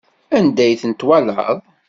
Anda ay ten-twalaḍ?